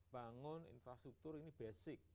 bangun infrastruktur ini basic